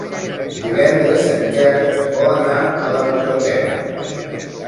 Divendres en Quer vol anar a la biblioteca.